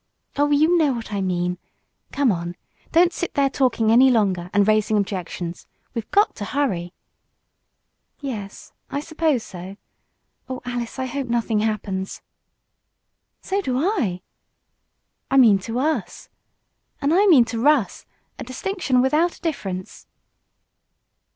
"Oh, you know what I mean. Come on. Don't sit there talking any longer, and raising objections. We've got to hurry." "Yes, I suppose so. Oh, Alice, I hope nothing happens!" "So do I." "I mean to us." "And I mean to Russ. A distinction without a difference."